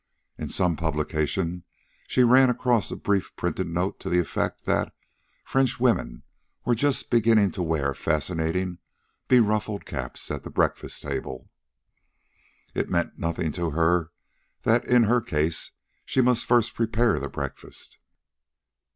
In some publication she ran across a brief printed note to the effect that French women were just beginning to wear fascinating beruffled caps at the breakfast table. It meant nothing to her that in her case she must first prepare the breakfast.